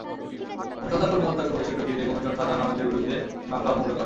অনুসন্ধান কর্মকর্তার সুপারিশের প্রেক্ষিতে কমিশন শাহজাহান আহমেদের বিরুদ্ধে মামলা অনুমোদন করে।